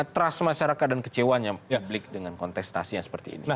trust masyarakat dan kecewanya publik dengan kontestasi yang seperti ini